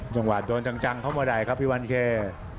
จังหวะโดนจังเข้ามาได้ครับพี่วันเค